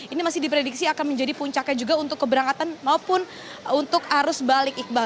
ini masih diprediksi akan menjadi puncaknya juga untuk keberangkatan maupun untuk arus balik iqbal